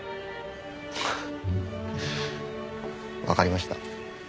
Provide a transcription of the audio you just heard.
フッわかりました。